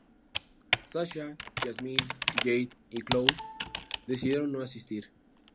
Sasha, Yasmin, Jade y Chloe deciden no asistir.